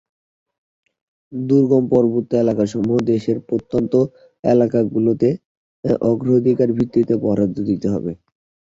দুর্গম পার্বত্য এলাকাগুলোসহ দেশের প্রত্যন্ত অঞ্চলগুলোতে অগ্রাধিকার ভিত্তিতে বরাদ্দ দিতে হবে।